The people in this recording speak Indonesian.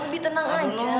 b tenang aja